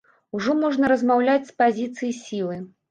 Ужо можна размаўляць з пазіцыі сілы.